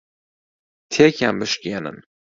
تێکیان بشکێنن.